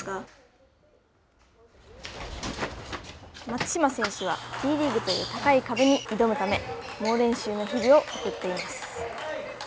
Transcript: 松島選手はＴリーグという高い壁に挑むため猛練習の日々を送っています。